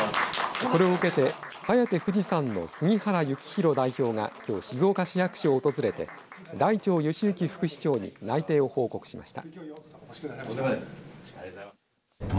これを受けてハヤテ２２３の杉原行洋代表がきょう、静岡市役所を訪れて大長義之副市長に内定を報告しました。